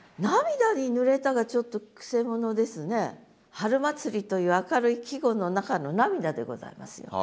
春祭りという明るい季語の中の涙でございますよ。